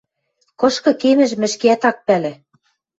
Кышкы кемӹжӹм ӹшкеӓт ак пӓлӹ.